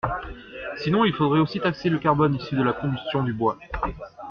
Sinon, il faudrait aussi taxer le carbone issu de la combustion du bois.